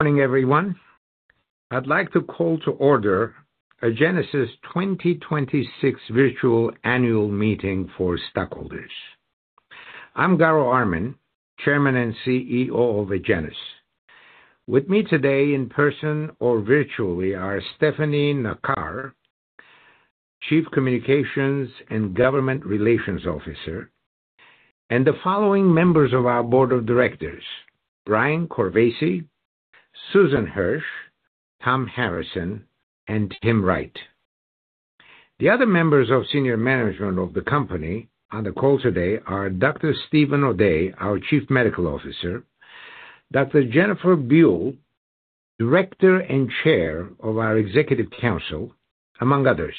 Morning, everyone. I'd like to call to order Agenus' 2026 virtual annual meeting for stockholders. I'm Garo Armen, Chairman and CEO of Agenus. With me today in person or virtually are Stefanie Nacar, Chief Communications and Government Relations Officer, and the following members of our Board of Directors: Brian Corvese, Susan Hirsch, Tom Harrison, and Tim Wright. The other members of senior management of the company on the call today are Dr. Steven O'Day, our Chief Medical Officer, Dr. Jennifer Buell, Director and Chair of our Executive Council, among others.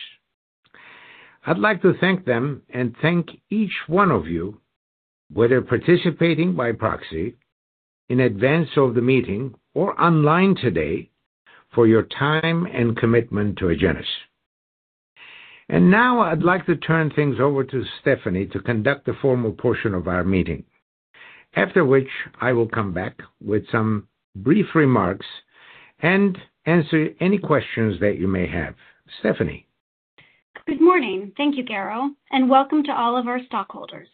I'd like to thank them and thank each one of you, whether participating by proxy in advance of the meeting or online today, for your time and commitment to Agenus, Now I'd like to turn things over to Stefanie to conduct the formal portion of our meeting, after which I will come back with some brief remarks and answer any questions that you may have. Stefanie. Good morning. Thank you, Garo, welcome to all of our stockholders.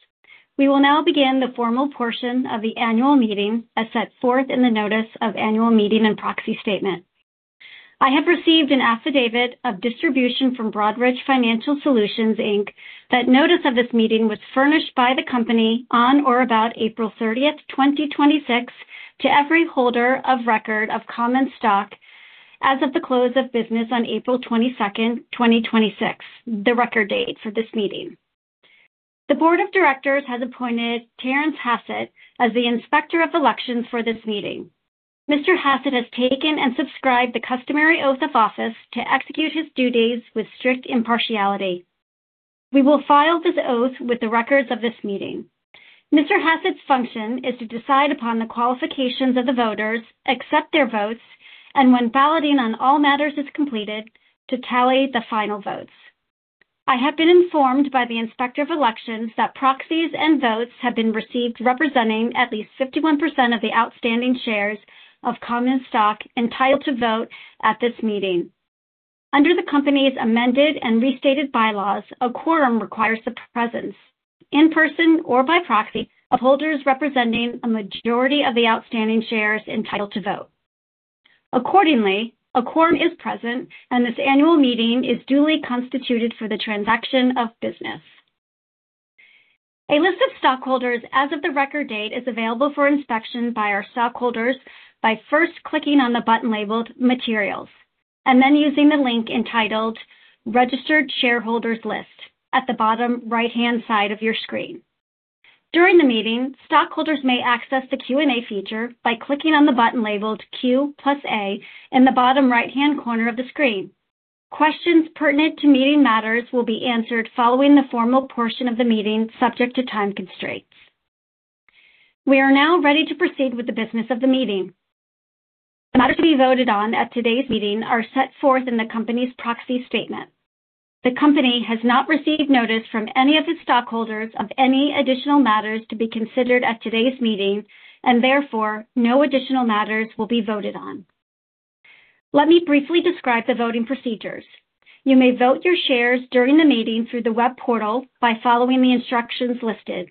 We will now begin the formal portion of the annual meeting as set forth in the notice of annual meeting and proxy statement. I have received an affidavit of distribution from Broadridge Financial Solutions, Inc., that notice of this meeting was furnished by the company on or about April 30th, 2026, to every holder of record of common stock as of the close of business on April 22nd, 2026, the record date for this meeting. The Board of Directors has appointed Terrence Hassett as the Inspector of Elections for this meeting. Mr. Hassett has taken and subscribed the customary oath of office to execute his duties with strict impartiality. We will file this oath with the records of this meeting. Mr. Hassett's function is to decide upon the qualifications of the voters, accept their votes, and when balloting on all matters is completed, to tally the final votes. I have been informed by the Inspector of Elections that proxies and votes have been received representing at least 51% of the outstanding shares of common stock entitled to vote at this meeting. Under the company's Amended and Restated Bylaws, a quorum requires the presence, in person or by proxy, of holders representing a majority of the outstanding shares entitled to vote. Accordingly, a quorum is present, this annual meeting is duly constituted for the transaction of business. A list of stockholders as of the record date is available for inspection by our stockholders by first clicking on the button labeled Materials, and then using the link entitled Registered Shareholders List at the bottom right-hand side of your screen. During the meeting, stockholders may access the Q&A feature by clicking on the button labeled Q+A in the bottom right-hand corner of the screen. Questions pertinent to meeting matters will be answered following the formal portion of the meeting, subject to time constraints. We are now ready to proceed with the business of the meeting. The matters to be voted on at today's meeting are set forth in the company's proxy statement. The company has not received notice from any of its stockholders of any additional matters to be considered at today's meeting. Therefore, no additional matters will be voted on. Let me briefly describe the voting procedures. You may vote your shares during the meeting through the web portal by following the instructions listed.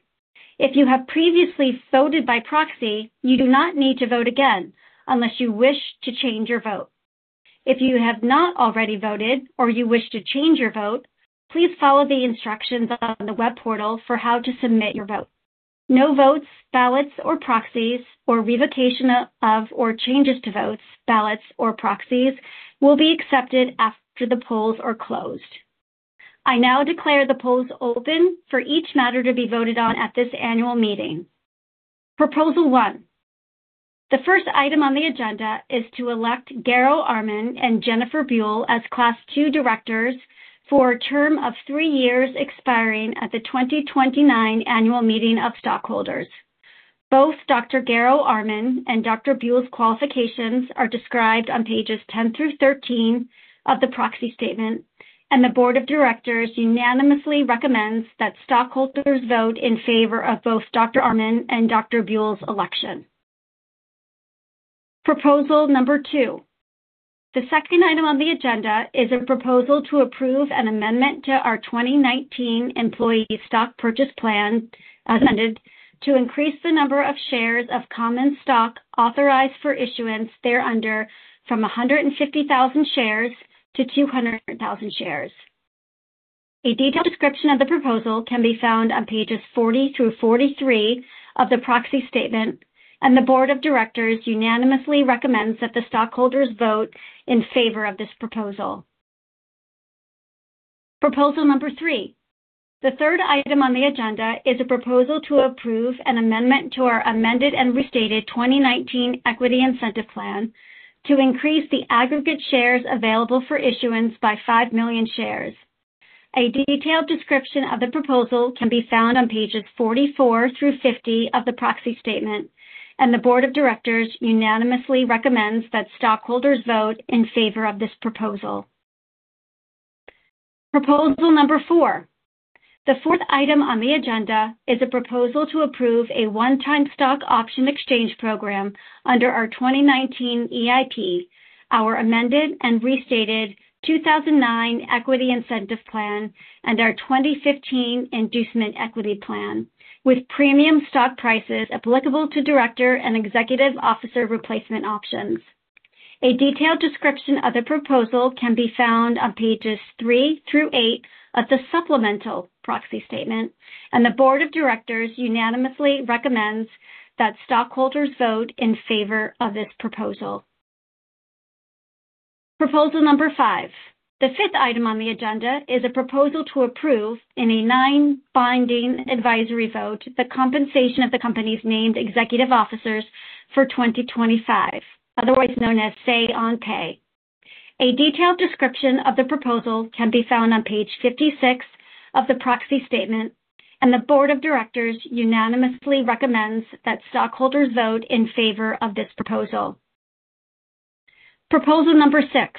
If you have previously voted by proxy, you do not need to vote again unless you wish to change your vote. If you have not already voted or you wish to change your vote, please follow the instructions on the web portal for how to submit your vote. No votes, ballots or proxies or revocation of, or changes to votes, ballots, or proxies will be accepted after the polls are closed. I now declare the polls open for each matter to be voted on at this annual meeting. Proposal one. The first item on the agenda is to elect Garo Armen and Jennifer Buell as Class 2 directors for a term of three years expiring at the 2029 annual meeting of stockholders. Both Dr. Garo Armen and Dr. Buell's qualifications are described on pages 10 through 13 of the proxy statement. The board of directors unanimously recommends that stockholders vote in favor of both Dr. Armen and Dr. Buell's election. Proposal number two. The second item on the agenda is a proposal to approve an amendment to our 2019 Employee Stock Purchase Plan, as amended, to increase the number of shares of common stock authorized for issuance thereunder from 150,000 shares to 200,000 shares. A detailed description of the proposal can be found on pages 40 through 43 of the proxy statement. The board of directors unanimously recommends that the stockholders vote in favor of this proposal. Proposal number three. The third item on the agenda is a proposal to approve an amendment to our amended and restated 2019 Equity Incentive Plan to increase the aggregate shares available for issuance by 5 million shares. A detailed description of the proposal can be found on pages 44 through 50 of the proxy statement. The board of directors unanimously recommends that stockholders vote in favor of this proposal. Proposal number four. The fourth item on the agenda is a proposal to approve a one-time stock option exchange program under our 2019 EIP, our Amended and Restated 2009 Equity Incentive Plan, and our 2015 Inducement Equity Plan with premium stock prices applicable to director and executive officer replacement options. A detailed description of the proposal can be found on pages three through eight of the supplemental proxy statement. The board of directors unanimously recommends that stockholders vote in favor of this proposal. Proposal number five. The fifth item on the agenda is a proposal to approve, in a non-binding advisory vote, the compensation of the company's named executive officers for 2025, otherwise known as say on pay. A detailed description of the proposal can be found on page 56 of the proxy statement. The board of directors unanimously recommends that stockholders vote in favor of this proposal. Proposal number six.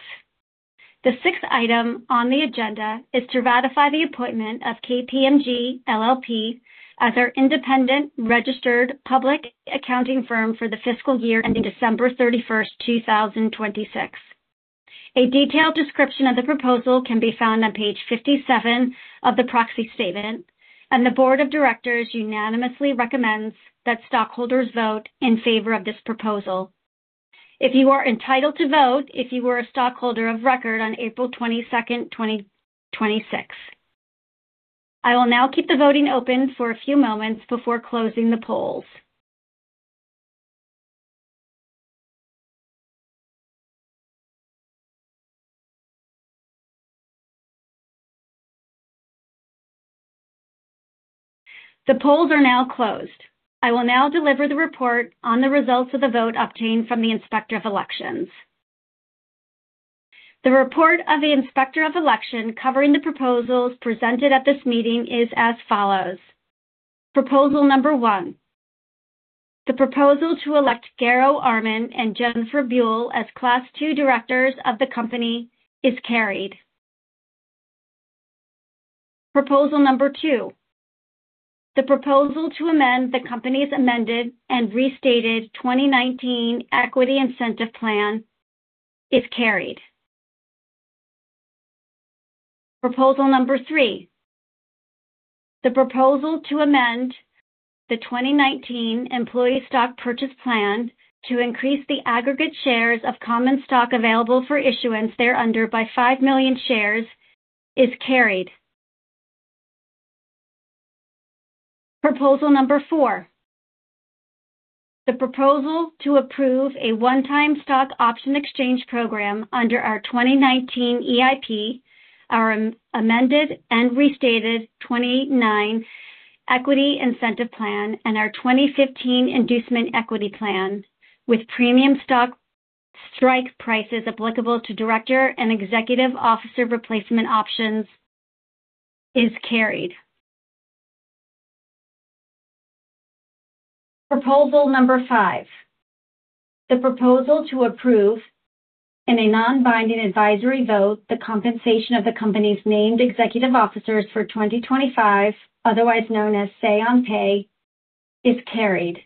The sixth item on the agenda is to ratify the appointment of KPMG LLP as our independent registered public accounting firm for the fiscal year ending December 31, 2026. A detailed description of the proposal can be found on page 57 of the proxy statement. The board of directors unanimously recommends that stockholders vote in favor of this proposal. If you are entitled to vote, if you were a stockholder of record on April 22, 2026. I will now keep the voting open for a few moments before closing the polls. The polls are now closed. I will now deliver the report on the results of the vote obtained from the Inspector of Elections. The report of the Inspector of Election covering the proposals presented at this meeting is as follows. Proposal number one, the proposal to elect Garo Armen and Jennifer Buell as class 2 directors of the company is carried. Proposal number two, the proposal to amend the company's Amended and Restated 2019 Equity Incentive Plan is carried. Proposal number three, the proposal to amend the 2019 Employee Stock Purchase Plan to increase the aggregate shares of common stock available for issuance thereunder by 5 million shares is carried. Proposal number four, the proposal to approve a one-time stock option exchange program under our 2019 EIP, our Amended and Restated 2009 Equity Incentive Plan, and our 2015 Inducement Equity Plan with premium stock strike prices applicable to director and executive officer replacement options is carried. Proposal number five, the proposal to approve in a non-binding advisory vote the compensation of the company's named executive officers for 2025, otherwise known as say on pay, is carried.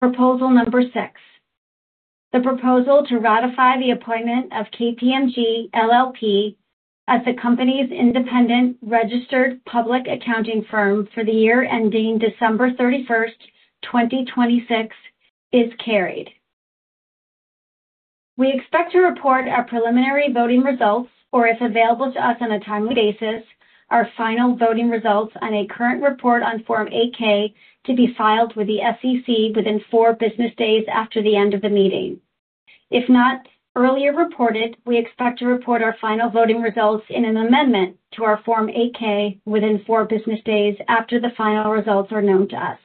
Proposal number six, the proposal to ratify the appointment of KPMG LLP as the company's independent registered public accounting firm for the year ending December 31, 2026 is carried. We expect to report our preliminary voting results, or if available to us on a timely basis, our final voting results on a current report on Form 8-K to be filed with the SEC within four business days after the end of the meeting. If not earlier reported, we expect to report our final voting results in an amendment to our Form 8-K within four business days after the final results are known to us.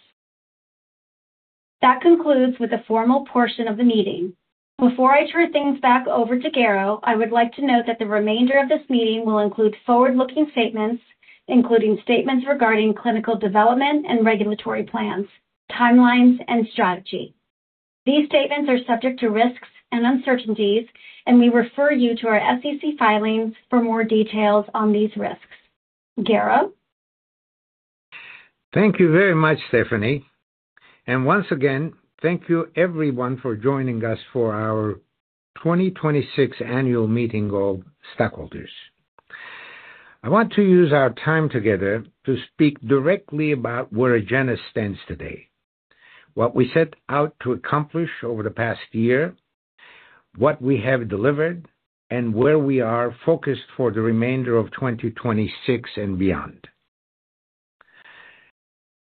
That concludes with the formal portion of the meeting. Before I turn things back over to Garo, I would like to note that the remainder of this meeting will include forward-looking statements, including statements regarding clinical development and regulatory plans, timelines and strategy. These statements are subject to risks and uncertainties. We refer you to our SEC filings for more details on these risks. Garo. Thank you very much, Stefanie. And once again, thank you everyone for joining us for our 2026 annual meeting of stockholders. I want to use our time together to speak directly about where Agenus stands today, what we set out to accomplish over the past year, what we have delivered, and where we are focused for the remainder of 2026 and beyond.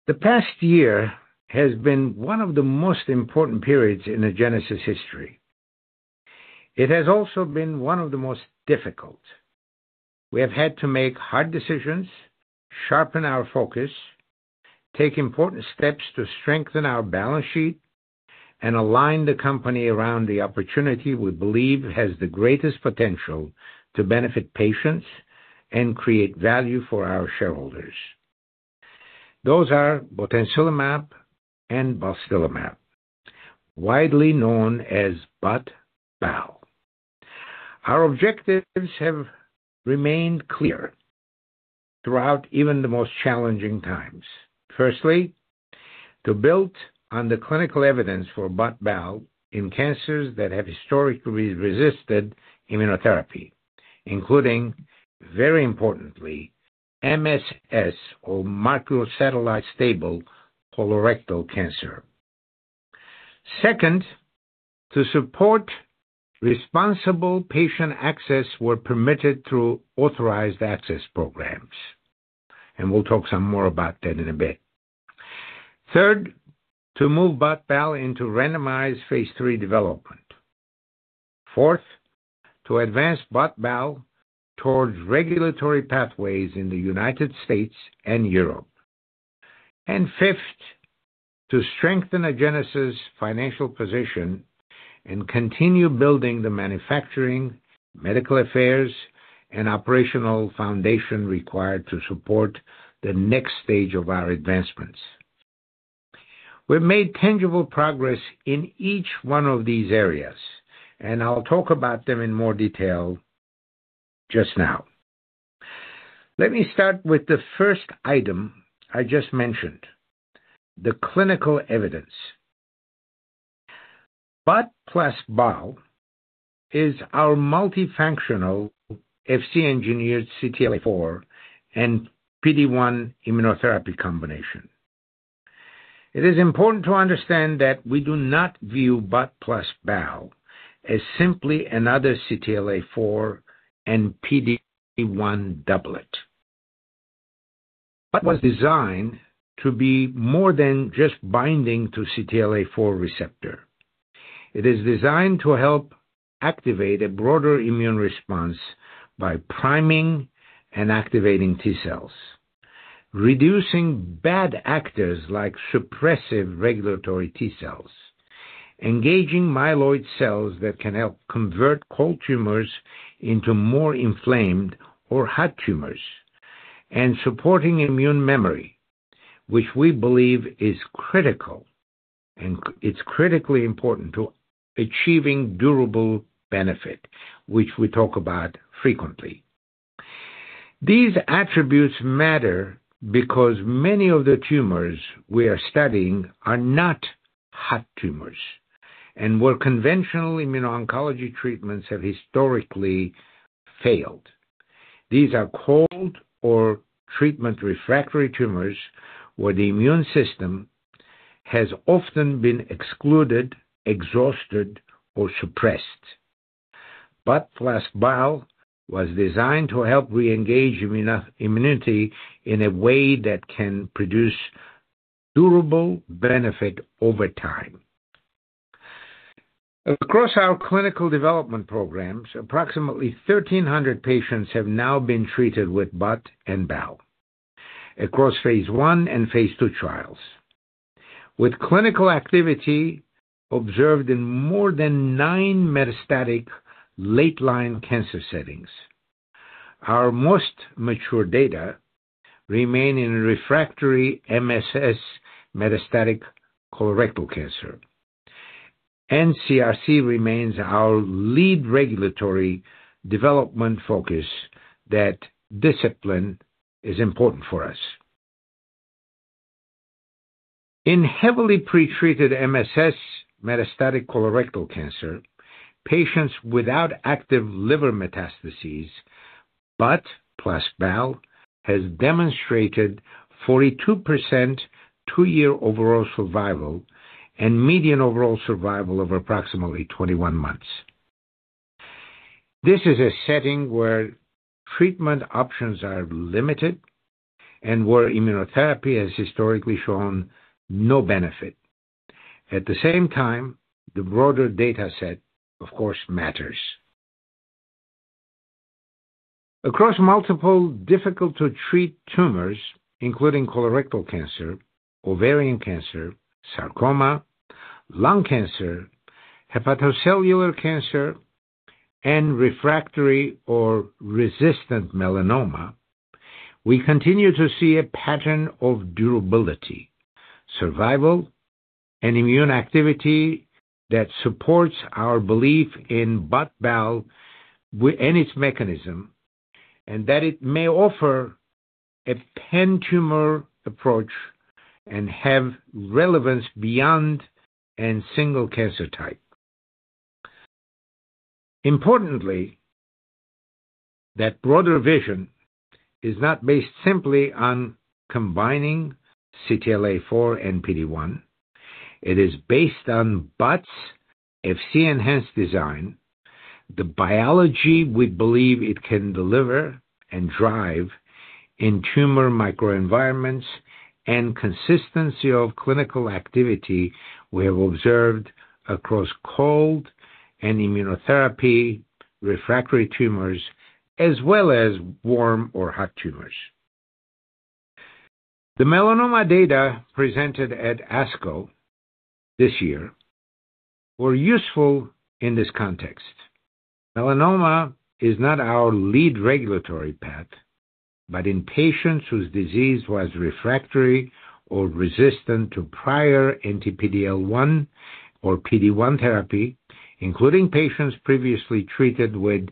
The past year has been one of the most important periods in Agenus' history. It has also been one of the most difficult. We have had to make hard decisions, sharpen our focus, take important steps to strengthen our balance sheet, and align the company around the opportunity we believe has the greatest potential to benefit patients and create value for our shareholders. Those are botensilimab and balstilimab, widely known as BOT/BAL. Our objectives have remained clear throughout even the most challenging times. To build on the clinical evidence for Bot/Bal in cancers that have historically resisted immunotherapy, including, very importantly, MSS or microsatellite stable colorectal cancer. Second, to support responsible patient access where permitted through authorized access programs, and we'll talk some more about that in a bit. Third, to move Bot/Bal into randomized phase III development. Fourth, to advance Bot/Bal towards regulatory pathways in the United States and Europe. And fifth, to strengthen Agenus' financial position and continue building the manufacturing, medical affairs, and operational foundation required to support the next stage of our advancements. We've made tangible progress in each one of these areas, and I'll talk about them in more detail just now. Let me start with the first item I just mentioned, the clinical evidence. Bot/Bal is our multifunctional Fc engineered CTLA-4 and PD-1 immunotherapy combination. It is important to understand that we do not view Bot plus Bal as simply another CTLA-4 and PD-1 doublet. Bot/Bal was designed to be more than just binding to CTLA-4 receptor. It is designed to help activate a broader immune response by priming and activating T-cells, reducing bad actors like suppressive regulatory T-cells, engaging myeloid cells that can help convert cold tumors into more inflamed or hot tumors, and supporting immune memory, which we believe is critically important to achieving durable benefit, which we talk about frequently. These attributes matter because many of the tumors we are studying are not hot tumors, and where conventional immuno-oncology treatments have historically failed. These are cold or treatment-refractory tumors where the immune system has often been excluded, exhausted, or suppressed. Bot plus Bal was designed to help reengage immunity in a way that can produce durable benefit over time. Across our clinical development programs, approximately 1,300 patients have now been treated with Bot and Bal across phase I and phase II trials. With clinical activity observed in more than nine metastatic late-line cancer settings. Our most mature data remain in refractory MSS metastatic colorectal cancer. And CRC remains our lead regulatory development focus. That discipline is important for us. In heavily pretreated MSS metastatic colorectal cancer patients without active liver metastases, Bot plus Bal has demonstrated 42% two-year overall survival and median overall survival of approximately 21 months. This is a setting where treatment options are limited and where immunotherapy has historically shown no benefit. At the same time, the broader data set, of course, matters. Across multiple difficult-to-treat tumors, including colorectal cancer, ovarian cancer, sarcoma, lung cancer, hepatocellular cancer, and refractory or resistant melanoma, we continue to see a pattern of durability, survival, and immune activity that supports our belief in BOT/BAL and its mechanism, and that it may offer a pan-tumor approach and have relevance beyond a single cancer type. Importantly, that broader vision is not based simply on combining CTLA-4 and PD-1. It is based on bot's Fc enhance design, the biology we believe it can deliver and drive in tumor microenvironments, and consistency of clinical activity we have observed across cold and immunotherapy-refractory tumors, as well as warm or hot tumors. The melanoma data presented at ASCO this year were useful in this context. In patients whose disease was refractory or resistant to prior anti-PD-L1 or PD-1 therapy, including patients previously treated with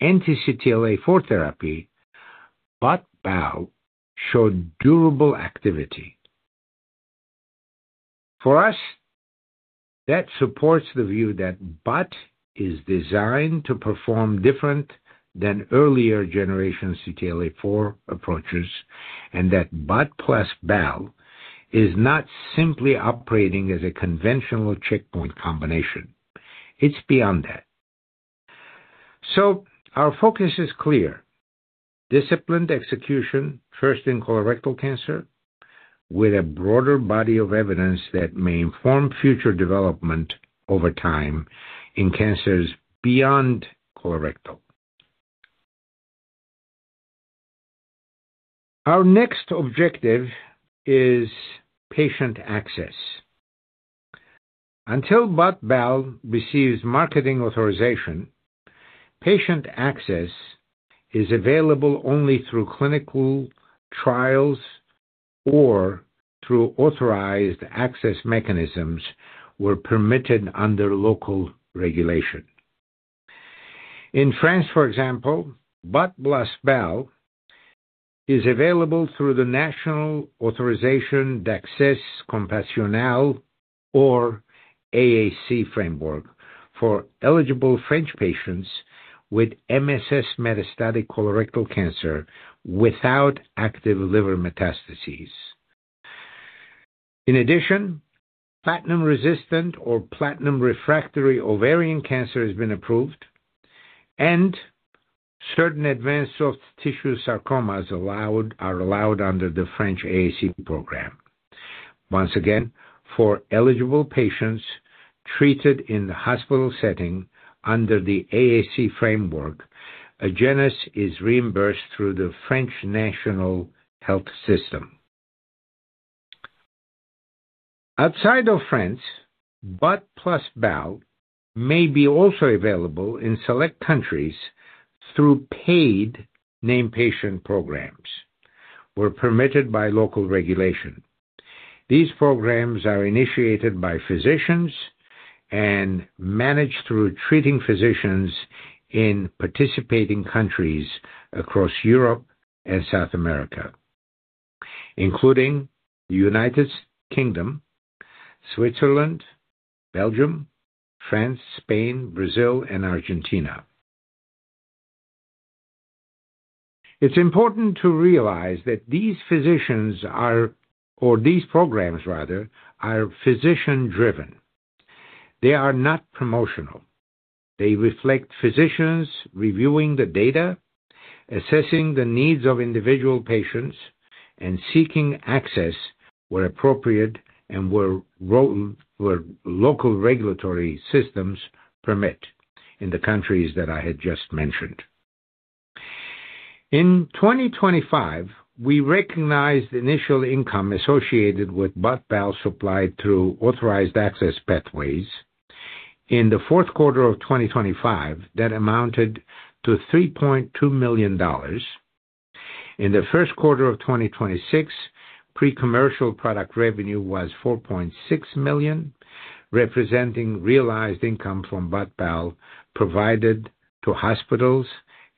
anti-CTLA-4 therapy, BOT/BAL showed durable activity. For us, that supports the view that Bot is designed to perform different than earlier generation CTLA-4 approaches, and that Bot plus Bal is not simply operating as a conventional checkpoint combination. It's beyond that. Our focus is clear. Disciplined execution, first in colorectal cancer, with a broader body of evidence that may inform future development over time in cancers beyond colorectal. Our next objective is patient access. Until BOT/BAL receives marketing authorization, patient access is available only through clinical trials or through authorized access mechanisms where permitted under local regulation. In France, for example, Bot plus Bal is available through the national Autorisation d'accès compassionnel, or AAC framework, for eligible French patients with MSS metastatic colorectal cancer without active liver metastases. In addition, platinum-resistant or platinum-refractory ovarian cancer has been approved, and certain advanced soft tissue sarcomas are allowed under the French AAC program. Once again, for eligible patients treated in the hospital setting under the AAC framework, Agenus is reimbursed through the French National Health System. Outside of France, Bot plus Bal may be also available in select countries through paid name patient programs, where permitted by local regulation. These programs are initiated by physicians and managed through treating physicians in participating countries across Europe and South America, including the United Kingdom, Switzerland, Belgium, France, Spain, Brazil, and Argentina. It's important to realize that these programs are physician-driven. They are not promotional. They reflect physicians reviewing the data, assessing the needs of individual patients, and seeking access where appropriate and where local regulatory systems permit in the countries that I had just mentioned. In 2025, we recognized initial income associated with BOT/BAL supplied through authorized access pathways. In the fourth quarter of 2025, that amounted to $3.2 million. In the first quarter of 2026, pre-commercial product revenue was $4.6 million, representing realized income from BOT/BAL provided to hospitals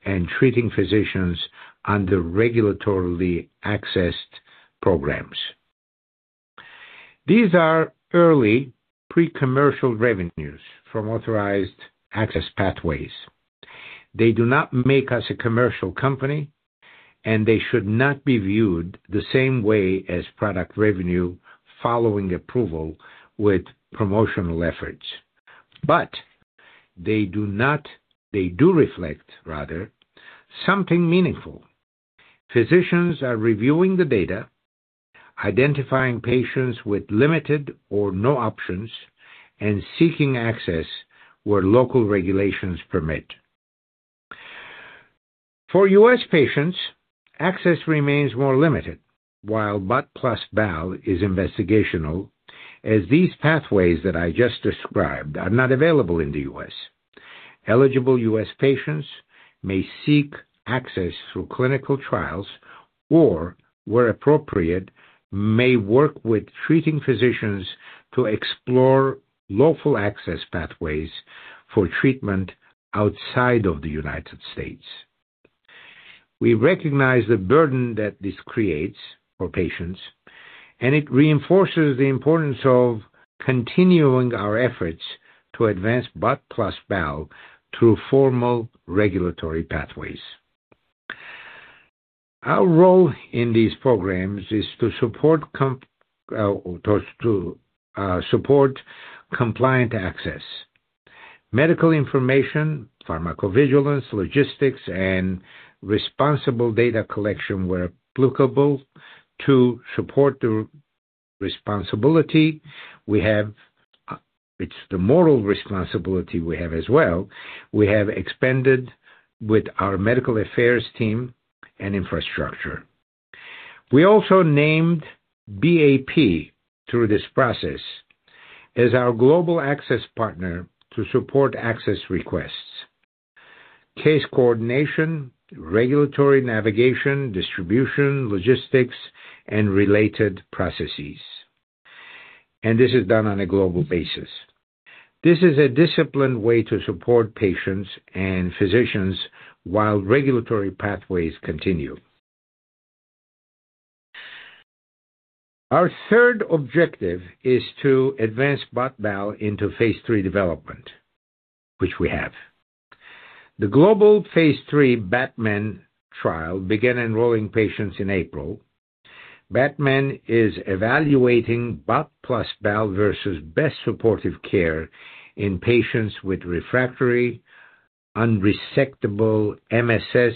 and treating physicians under regulatorily accessed programs. These are early pre-commercial revenues from authorized access pathways. They do not make us a commercial company, and they should not be viewed the same way as product revenue following approval with promotional efforts. They do reflect something meaningful. Physicians are reviewing the data, identifying patients with limited or no options, and seeking access where local regulations permit. For U.S. patients, access remains more limited while BOT/BAL is investigational, as these pathways that I just described are not available in the U.S. Eligible U.S. patients may seek access through clinical trials or, where appropriate, may work with treating physicians to explore lawful access pathways for treatment outside of the United States. We recognize the burden that this creates for patients, and it reinforces the importance of continuing our efforts to advance BOT/BAL through formal regulatory pathways. Our role in these programs is to support compliant access. Medical information, pharmacovigilance, logistics, and responsible data collection were applicable to support the responsibility we have. It's the moral responsibility we have as well. We have expanded with our medical affairs team and infrastructure. We also named BAP through this process as our global access partner to support access requests, case coordination, regulatory navigation, distribution, logistics, and related processes. This is done on a global basis. This is a disciplined way to support patients and physicians while regulatory pathways continue. Our third objective is to advance BOT/BAL into phase III development, which we have. The global phase III BATMAN trial began enrolling patients in April. BATMAN is evaluating BOT/BAL versus best supportive care in patients with refractory unresectable MSS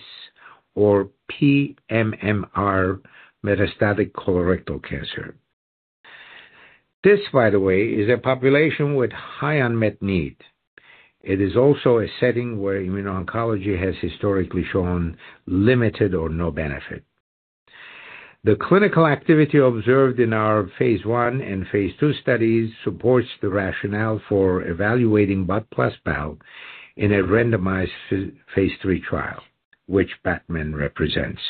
or pMMR metastatic colorectal cancer. This, by the way, is a population with high unmet need. It is also a setting where immuno-oncology has historically shown limited or no benefit. The clinical activity observed in our phase I and phase II studies supports the rationale for evaluating BOT/BAL in a randomized phase III trial, which BATMAN represents.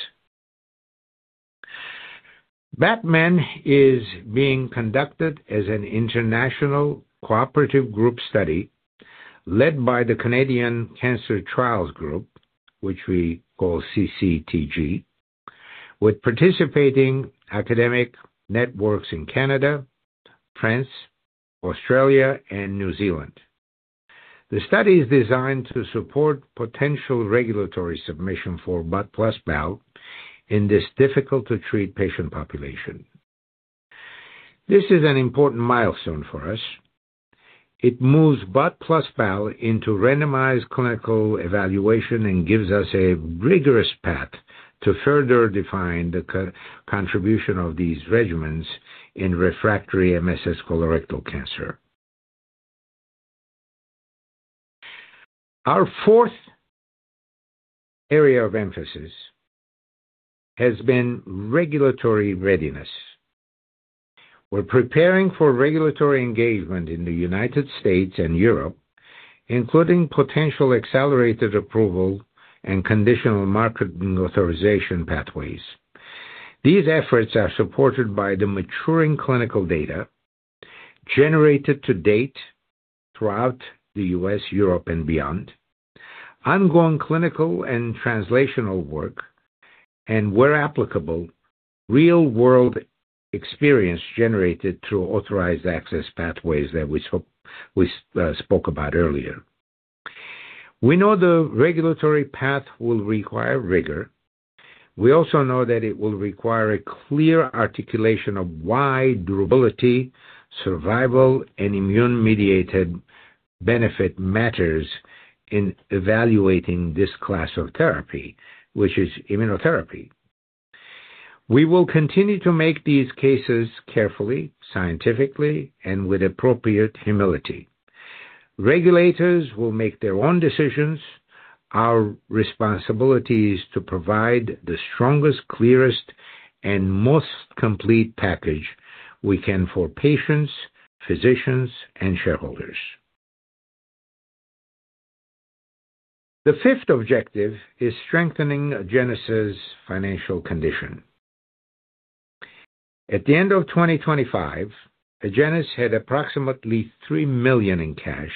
BATMAN is being conducted as an international cooperative group study led by the Canadian Cancer Trials Group, which we call CCTG, with participating academic networks in Canada, France, Australia, and New Zealand. The study is designed to support potential regulatory submission for BOT/BAL in this difficult-to-treat patient population. This is an important milestone for us. It moves BOT/BAL into randomized clinical evaluation and gives us a rigorous path to further define the contribution of these regimens in refractory MSS colorectal cancer. Our fourth area of emphasis has been regulatory readiness. We're preparing for regulatory engagement in the United States and Europe, including potential accelerated approval and conditional marketing authorization pathways. These efforts are supported by the maturing clinical data generated to date throughout the U.S., Europe, and beyond, ongoing clinical and translational work, and where applicable, real-world experience generated through authorized access pathways that we spoke about earlier. We know the regulatory path will require rigor. We also know that it will require a clear articulation of why durability, survival, and immune-mediated benefit matters in evaluating this class of therapy, which is immunotherapy. We will continue to make these cases carefully, scientifically, and with appropriate humility. Regulators will make their own decisions. Our responsibility is to provide the strongest, clearest, and most complete package we can for patients, physicians, and shareholders. The fifth objective is strengthening Agenus' financial condition. At the end of 2025, Agenus had approximately $3 million in cash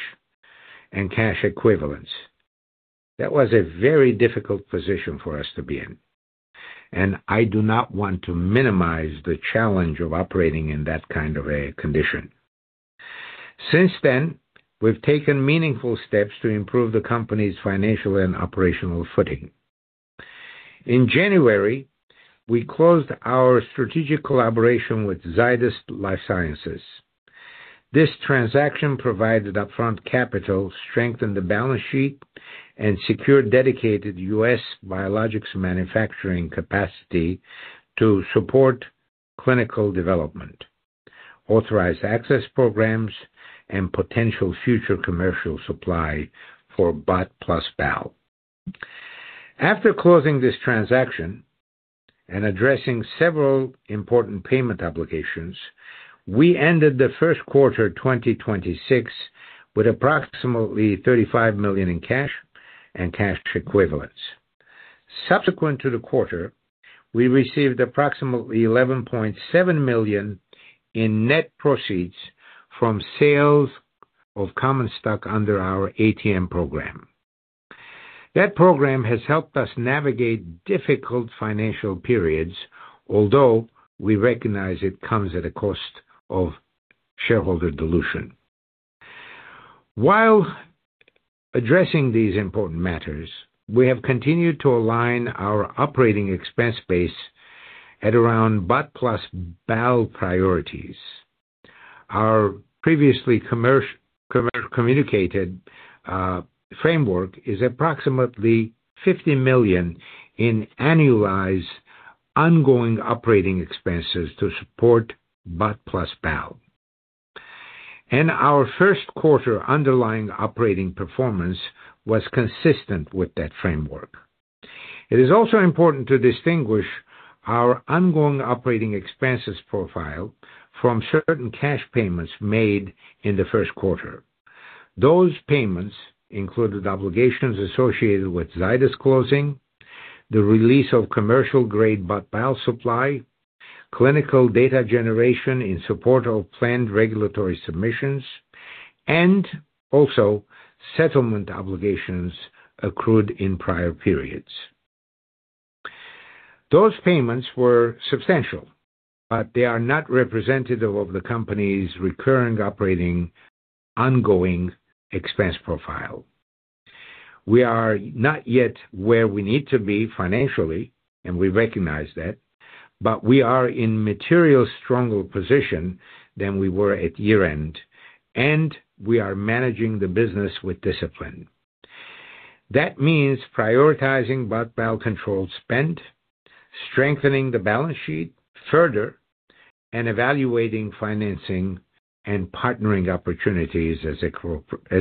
and cash equivalents. That was a very difficult position for us to be in, and I do not want to minimize the challenge of operating in that kind of a condition. Since then, we've taken meaningful steps to improve the company's financial and operational footing. In January, we closed our strategic collaboration with Zydus Lifesciences. This transaction provided upfront capital, strengthened the balance sheet, and secured dedicated U.S. biologics manufacturing capacity to support clinical development, authorized access programs, and potential future commercial supply for BOT/BAL. After closing this transaction and addressing several important payment obligations, we ended the first quarter 2026 with approximately $35 million in cash and cash equivalents. Subsequent to the quarter, we received approximately $11.7 million in net proceeds from sales of common stock under our ATM program. That program has helped us navigate difficult financial periods, although we recognize it comes at a cost of shareholder dilution. While addressing these important matters, we have continued to align our operating expense base at around BOT/BAL priorities. Our previously communicated framework is approximately $50 million in annualized ongoing operating expenses to support BOT/BAL. Our first quarter underlying operating performance was consistent with that framework. It is also important to distinguish our ongoing operating expenses profile from certain cash payments made in the first quarter. Those payments included obligations associated with Zydus closing, the release of commercial grade BOT/BAL supply, clinical data generation in support of planned regulatory submissions, also settlement obligations accrued in prior periods. Those payments were substantial, they are not representative of the company's recurring operating ongoing expense profile. We are not yet where we need to be financially, we recognize that, we are in material stronger position than we were at year-end, we are managing the business with discipline. That means prioritizing BOT/BAL controlled spend, strengthening the balance sheet further, and evaluating financing and partnering opportunities as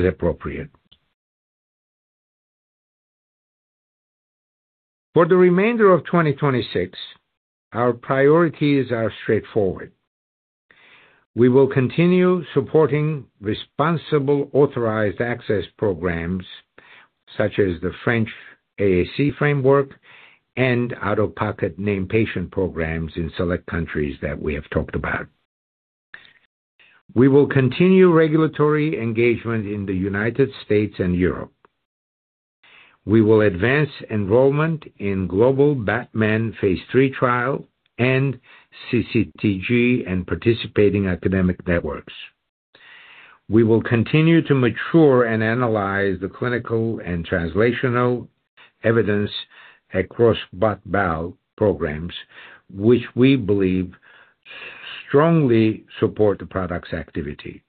appropriate. For the remainder of 2026, our priorities are straightforward. We will continue supporting responsible authorized access programs such as the French AAC framework and out-of-pocket named patient programs in select countries that we have talked about. We will continue regulatory engagement in the U.S. and Europe. We will advance enrollment in global BATTMAN phase III trial and CCTG and participating academic networks. We will continue to mature and analyze the clinical and translational evidence across BOT/BAL programs, which we believe strongly support the product's activity.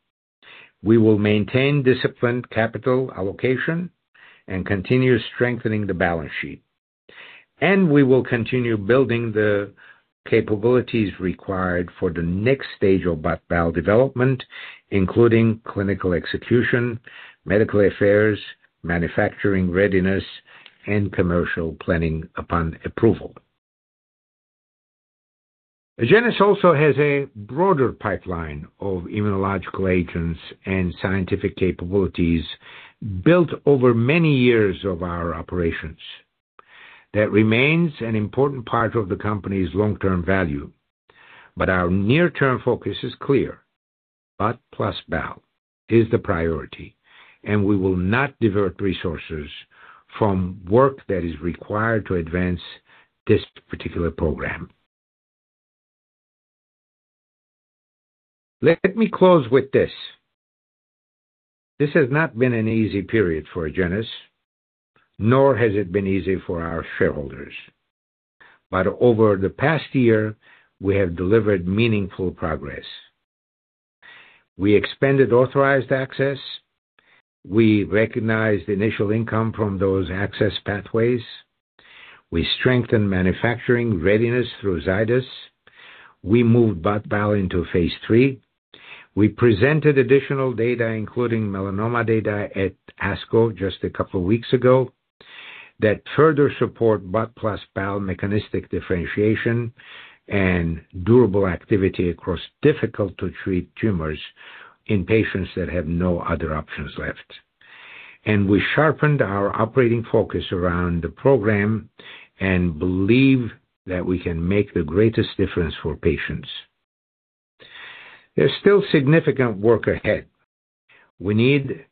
We will maintain disciplined capital allocation and continue strengthening the balance sheet, we will continue building the capabilities required for the next stage of BOT/BAL development, including clinical execution, medical affairs, manufacturing readiness, and commercial planning upon approval. Agenus also has a broader pipeline of immunological agents and scientific capabilities built over many years of our operations. That remains an important part of the company's long-term value. Our near-term focus is clear. BOT/BAL is the priority, we will not divert resources from work that is required to advance this particular program. Let me close with this. This has not been an easy period for Agenus, nor has it been easy for our shareholders. Over the past year, we have delivered meaningful progress. We expanded authorized access. We recognized initial income from those access pathways. We strengthened manufacturing readiness through Zydus. We moved BOT/BAL into phase III. We presented additional data, including melanoma data at ASCO just a couple of weeks ago, that further support BOT/BAL mechanistic differentiation and durable activity across difficult-to-treat tumors in patients that have no other options left. We sharpened our operating focus around the program and believe that we can make the greatest difference for patients. There's still significant work ahead. We need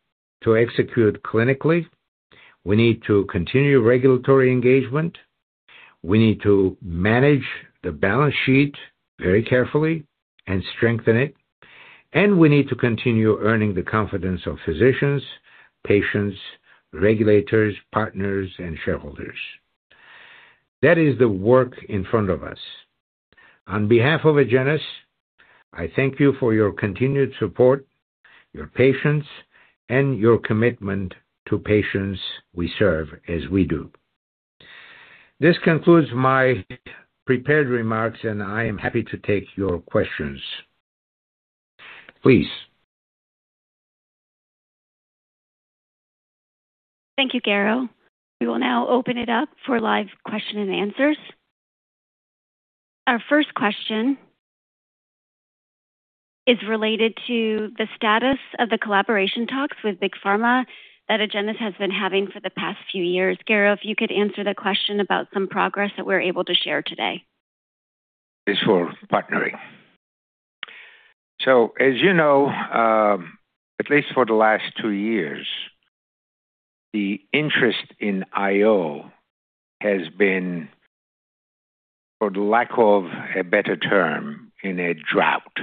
to execute clinically. We need to continue regulatory engagement. We need to manage the balance sheet very carefully and strengthen it. We need to continue earning the confidence of physicians, patients, regulators, partners, and shareholders. That is the work in front of us. On behalf of Agenus, I thank you for your continued support, your patience, and your commitment to patients we serve as we do. This concludes my prepared remarks, and I am happy to take your questions. Please. Thank you, Garo. We will now open it up for live question and answers. Our first question is related to the status of the collaboration talks with Big Pharma that Agenus has been having for the past few years. Garo, if you could answer the question about some progress that we're able to share today. Is for partnering. As you know, at least for the last two years, the interest in IO has been, for the lack of a better term, in a drought.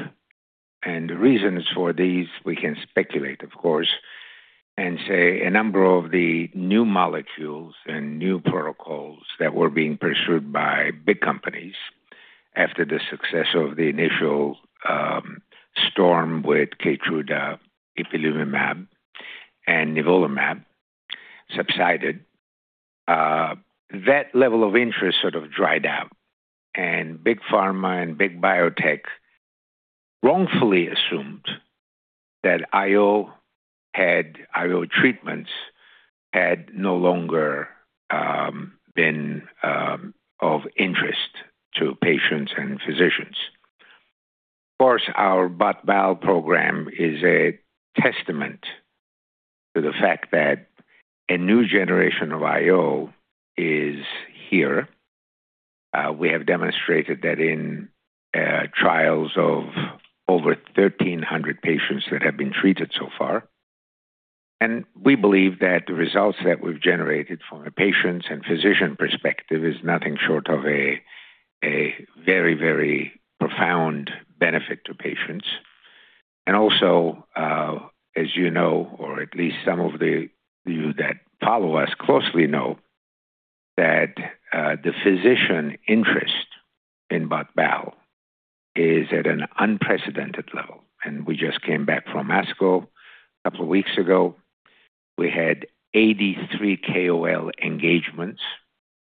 The reasons for these, we can speculate, of course, and say a number of the new molecules and new protocols that were being pursued by big companies after the success of the initial storm with KEYTRUDA, ipilimumab, and nivolumab subsided, that level of interest sort of dried up. Big pharma and big biotech wrongfully assumed that IO treatments had no longer been of interest to patients and physicians. Of course, our BOT/BAL program is a testament to the fact that a new generation of IO is here. We have demonstrated that in trials of over 1,300 patients that have been treated so far. We believe that the results that we've generated from a patient's and physician perspective is nothing short of a very, very profound benefit to patients. Also, as you know, or at least some of you that follow us closely know, that the physician interest in BOT/BAL is at an unprecedented level. We just came back from ASCO a couple of weeks ago. We had 83 KOL engagements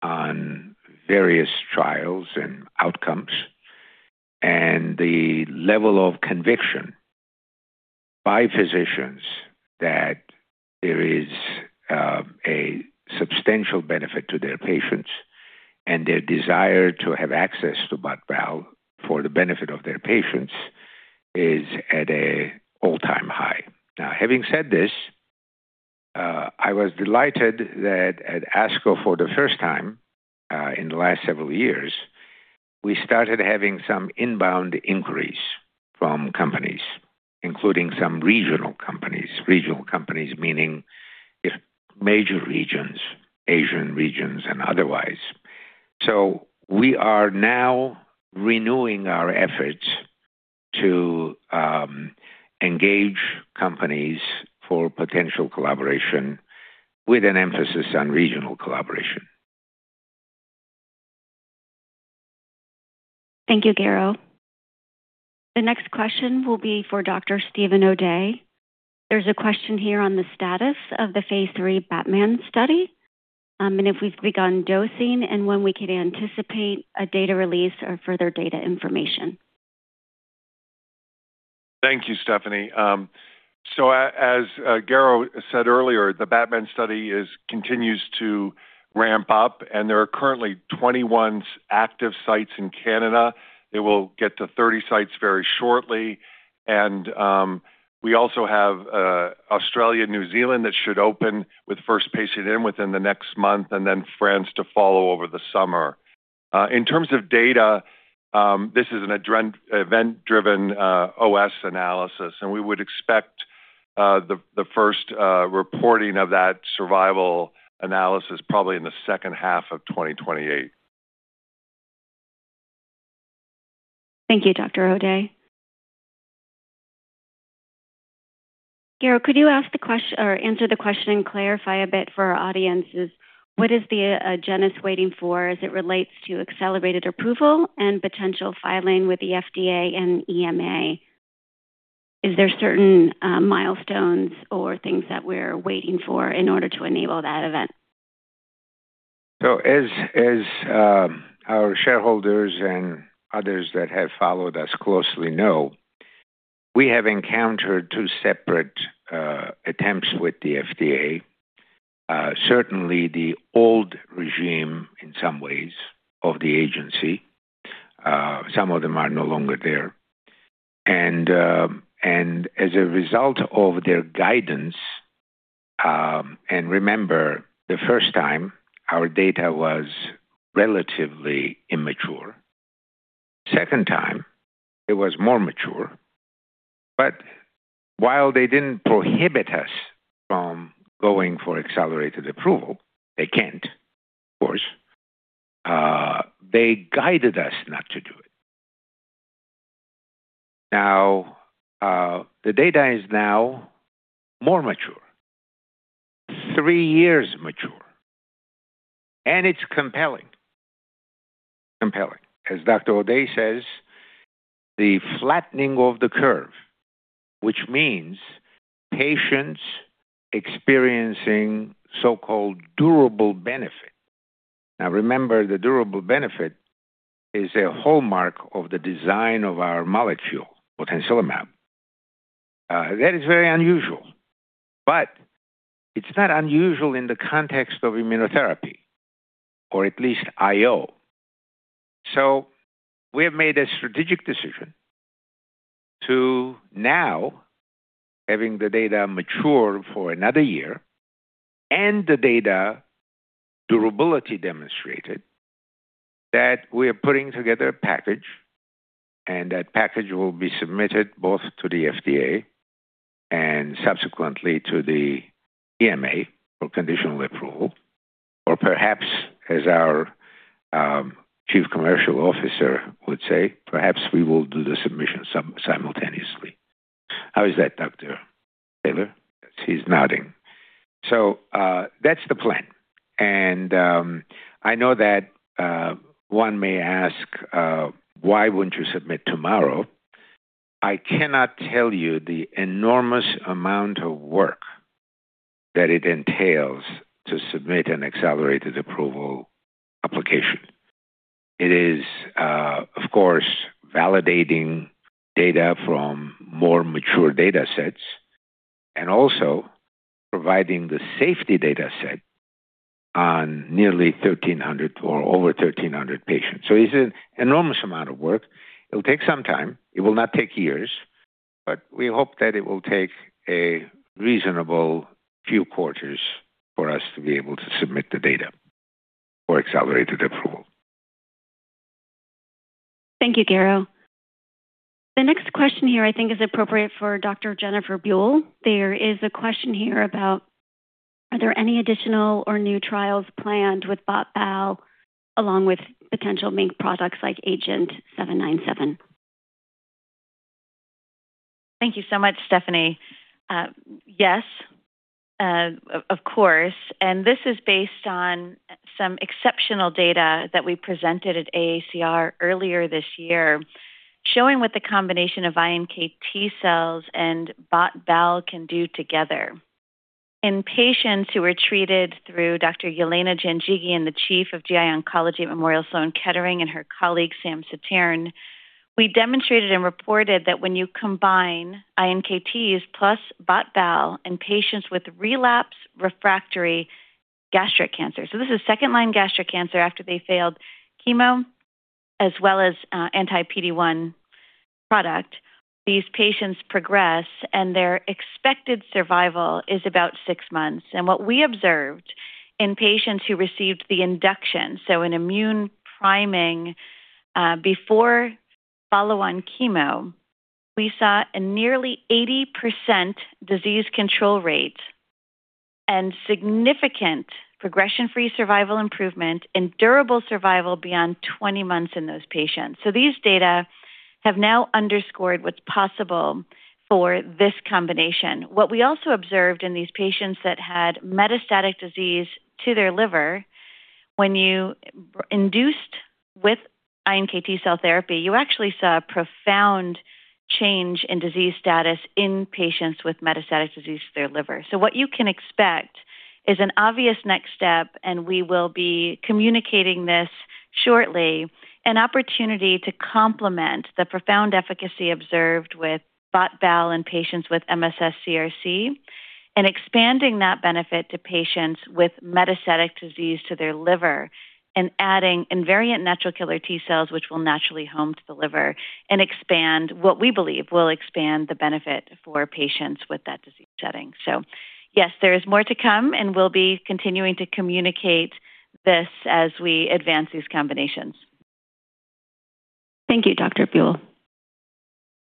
on various trials and outcomes, and the level of conviction by physicians that there is a substantial benefit to their patients, and their desire to have access to BOT/BAL for the benefit of their patients is at an all-time high. Now, having said this, I was delighted that at ASCO for the first time in the last several years, we started having some inbound inquiries from companies, including some regional companies, regional companies meaning major regions, Asian regions, otherwise. We are now renewing our efforts to engage companies for potential collaboration with an emphasis on regional collaboration. Thank you, Garo. The next question will be for Dr. Steven O'Day. There is a question here on the status of the phase III BATMAN study, and if we have begun dosing and when we could anticipate a data release or further data information. Thank you, Stefanie. As Garo said earlier, the BATMAN study continues to ramp up, and there are currently 21 active sites in Canada. It will get to 30 sites very shortly. We also have Australia, New Zealand that should open with first patient in within the next month, and then France to follow over the summer. In terms of data, this is an event-driven OS analysis, and we would expect the first reporting of that survival analysis probably in the second half of 2028. Thank you, Dr. O'Day. Garo, could you answer the question and clarify a bit for our audience is what is Agenus waiting for as it relates to accelerated approval and potential filing with the FDA and EMA? Is there certain milestones or things that we are waiting for in order to enable that event? As our shareholders and others that have followed us closely know, we have encountered two separate attempts with the FDA. Certainly the old regime, in some ways, of the agency, some of them are no longer there. As a result of their guidance, and remember, the first time our data was relatively immature. Second time, it was more mature. While they didn't prohibit us from going for accelerated approval, they can't, of course, they guided us not to do it. The data is now more mature, three years mature, and it's compelling. As Dr. O'Day says, the flattening of the curve, which means patients experiencing so-called durable benefit. Remember, the durable benefit is a hallmark of the design of our molecule, botensilimab. That is very unusual, but it's not unusual in the context of immunotherapy, or at least IO. We have made a strategic decision to now, having the data mature for another year, and the data durability demonstrated, that we are putting together a package, and that package will be submitted both to the FDA and subsequently to the EMA for conditional approval. Or perhaps, as our chief commercial officer would say, perhaps we will do the submission simultaneously. How is that, Dr. Taylor? He's nodding. That's the plan, and I know that one may ask, why wouldn't you submit tomorrow? I cannot tell you the enormous amount of work that it entails to submit an accelerated approval application. It is, of course, validating data from more mature data sets and also providing the safety data set on nearly 1,300 or over 1,300 patients. It's an enormous amount of work. It'll take some time. It will not take years, we hope that it will take a reasonable few quarters for us to be able to submit the data for accelerated approval. Thank you, Garo. The next question here I think is appropriate for Dr. Jennifer Buell. There is a question here about, are there any additional or new trials planned with BOT/BAL along with potential MiNK products like agenT-797? Thank you so much, Stefanie. Yes, of course. This is based on some exceptional data that we presented at AACR earlier this year, showing what the combination of iNKT cells and BOT/BAL can do together. In patients who were treated through Dr. Yelena Janjigian, the Chief of Gastrointestinal Oncology at Memorial Sloan Kettering Cancer Center, and her colleague, Sam Taneja, we demonstrated and reported that when you combine iNKTs plus BOT/BAL in patients with relapse refractory gastric cancer. This is second-line gastric cancer after they failed chemo as well as anti-PD-1 product. These patients progress, and their expected survival is about six months. What we observed in patients who received the induction, so an immune priming, before follow-on chemo, we saw a nearly 80% disease control rate and significant progression-free survival improvement and durable survival beyond 20 months in those patients. These data have now underscored what's possible for this combination. What we also observed in these patients that had metastatic disease to their liver, when you induced with iNKT cell therapy, you actually saw a profound change in disease status in patients with metastatic disease to their liver. What you can expect is an obvious next step, and we will be communicating this shortly, an opportunity to complement the profound efficacy observed with BOT/BAL in patients with MSS-CRC and expanding that benefit to patients with metastatic disease to their liver and adding invariant natural killer T-cells, which will naturally home to the liver and what we believe will expand the benefit for patients with that disease setting. Yes, there is more to come, and we'll be continuing to communicate this as we advance these combinations. Thank you, Dr. Buell.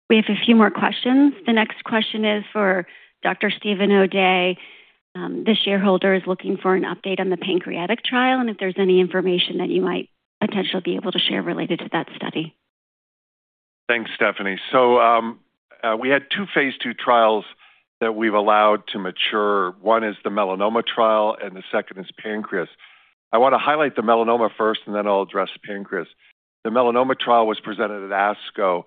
We have a few more questions. The next question is for Dr. Steven O'Day. This shareholder is looking for an update on the pancreatic trial and if there's any information that you might potentially be able to share related to that study. Thanks, Stefanie. We had two phase II trials that we've allowed to mature. One is the melanoma trial, and the second is pancreas. I want to highlight the melanoma first, and then I'll address the pancreas. The melanoma trial was presented at ASCO.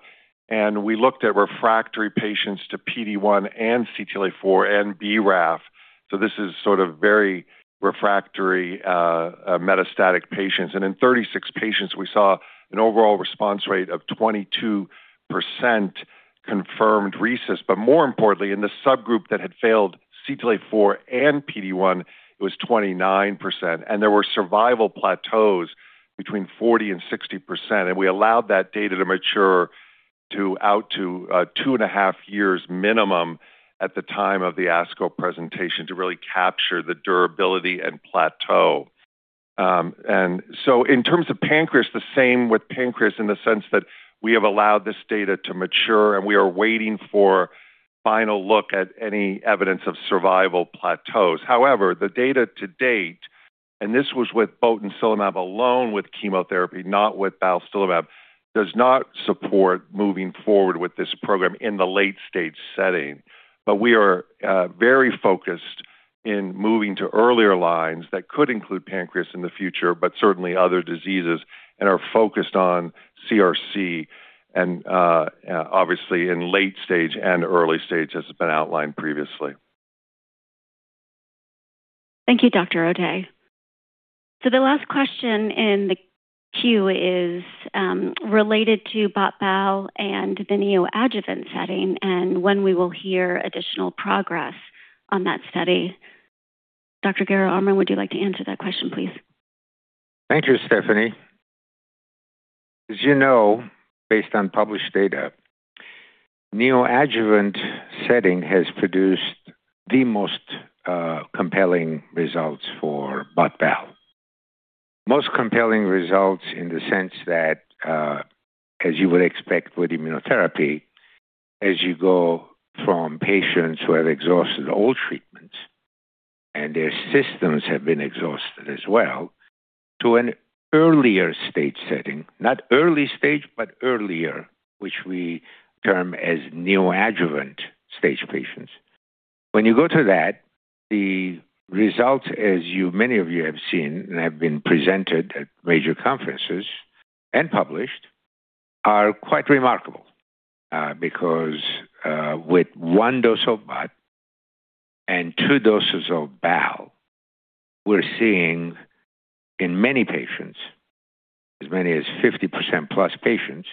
We looked at refractory patients to PD-1 and CTLA-4 and BRAF. This is sort of very refractory metastatic patients. In 36 patients, we saw an overall response rate of 22% confirmed RECIST. More importantly, in the subgroup that had failed CTLA-4 and PD-1, it was 29%. There were survival plateaus between 40% and 60%. We allowed that data to mature out to two and a half years minimum at the time of the ASCO presentation to really capture the durability and plateau. In terms of pancreas, the same with pancreas in the sense that we have allowed this data to mature, and we are waiting for final look at any evidence of survival plateaus. However, the data to date, and this was with botensilimab alone with chemotherapy, not with balstilimab, does not support moving forward with this program in the late stage setting. We are very focused in moving to earlier lines that could include pancreas in the future, but certainly other diseases, and are focused on CRC and, obviously in late stage and early stage, as has been outlined previously. Thank you, Dr. O'Day. The last question in the queue is related to BOT/BAL and the neoadjuvant setting and when we will hear additional progress on that study. Dr. Garo Armen, would you like to answer that question, please? Thank you, Stefanie. As you know, based on published data, neoadjuvant setting has produced the most compelling results for BOT/BAL. Most compelling results in the sense that, as you would expect with immunotherapy, as you go from patients who have exhausted all treatments and their systems have been exhausted as well to an earlier stage setting, not early stage, but earlier, which we term as neoadjuvant stage patients. When you go to that, the results, as many of you have seen and have been presented at major conferences and published, are quite remarkable, because with one dose of BOT and two doses of BAL, we're seeing, in many patients, as many as 50%-plus patients,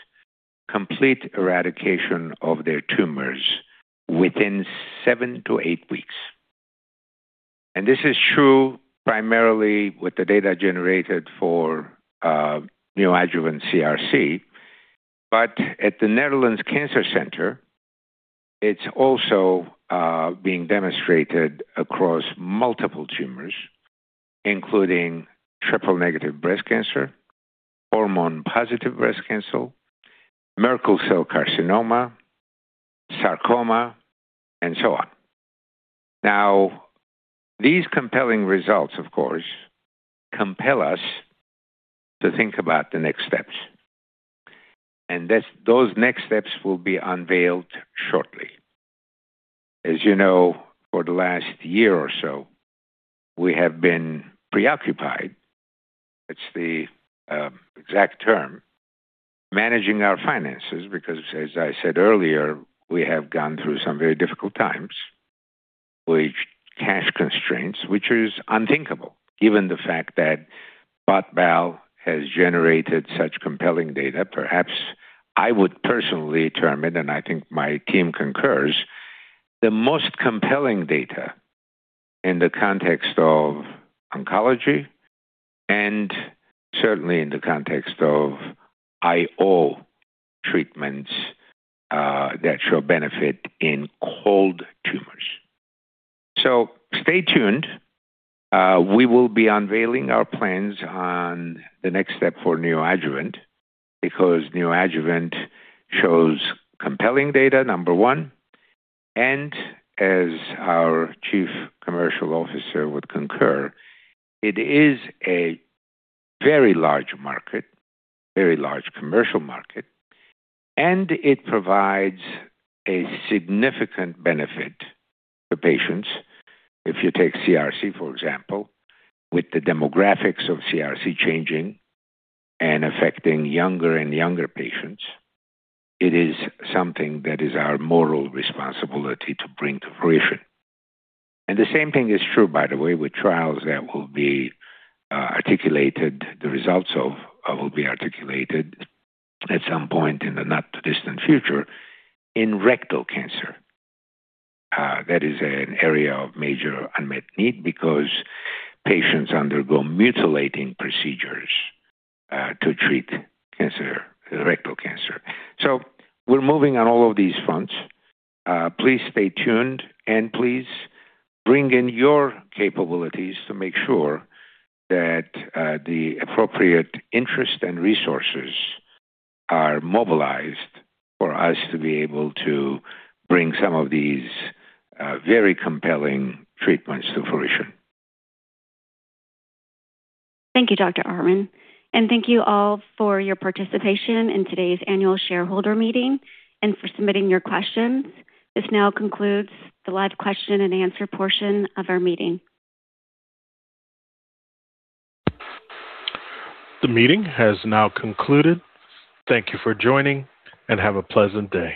complete eradication of their tumors within seven to eight weeks. This is true primarily with the data generated for neoadjuvant CRC. At the Netherlands Cancer Institute, it's also being demonstrated across multiple tumors, including triple-negative breast cancer, hormone-positive breast cancer, Merkel cell carcinoma, sarcoma, and so on. These compelling results, of course, compel us to think about the next steps. Those next steps will be unveiled shortly. As you know, for the last year or so, we have been preoccupied, it's the exact term, managing our finances, because, as I said earlier, we have gone through some very difficult times with cash constraints. Which is unthinkable given the fact that BOT/BAL has generated such compelling data. Perhaps I would personally determine, and I think my team concurs, the most compelling data in the context of oncology and certainly in the context of IO treatments that show benefit in cold tumors. Stay tuned. We will be unveiling our plans on the next step for neoadjuvant, because neoadjuvant shows compelling data, number one, and as our Chief Commercial Officer would concur, it is a very large market, very large commercial market, and it provides a significant benefit to patients. If you take CRC, for example, with the demographics of CRC changing and affecting younger and younger patients, it is something that is our moral responsibility to bring to fruition. The same thing is true, by the way, with trials that will be articulated, the results of will be articulated at some point in the not-too-distant future in rectal cancer. That is an area of major unmet need because patients undergo mutilating procedures to treat rectal cancer. We're moving on all of these fronts. Please stay tuned. Please bring in your capabilities to make sure that the appropriate interest and resources are mobilized for us to be able to bring some of these very compelling treatments to fruition. Thank you, Dr. Armen. Thank you all for your participation in today's annual shareholder meeting and for submitting your questions. This now concludes the live question and answer portion of our meeting. The meeting has now concluded. Thank you for joining. Have a pleasant day.